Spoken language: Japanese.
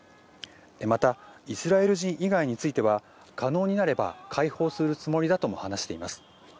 またイスラエル人以外については可能になれば解放するつもりだとも話しています。